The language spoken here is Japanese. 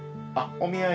お見合い。